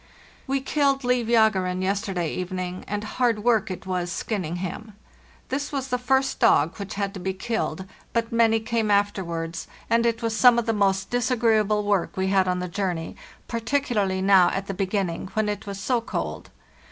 "We killed 'Livjegeren' yesterday evening, and hard work it was skinning him." This was the first dog which had to be killed; but many came afterwards, and 144 FARTHEST NORTH it was some of the most disagreeable work we had on the journey, particularly now at the beginning, when it was so cold.